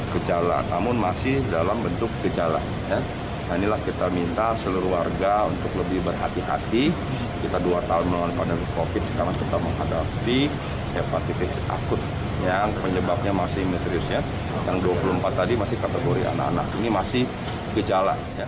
kepada covid sembilan belas sekarang kita menghadapi hepatitis akut yang penyebabnya masih misteriusnya yang dua puluh empat tadi masih kategori anak anak ini masih gejala